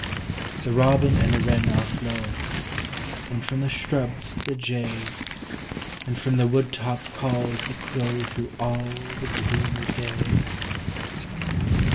The robin and the wren are flown, and from the shrubs the jay, And from the wood top calls the crow through all the gloomy day.